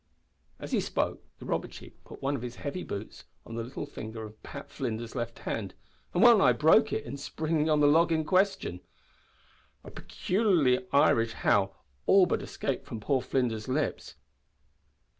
As he spoke the robber chief put one of his heavy boots on the little finger of Pat Flinders's left hand, and well nigh broke it in springing on to the log in question! A peculiarly Irish howl all but escaped from poor Flinders's lips.